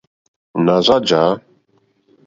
Nà rzá jǎ.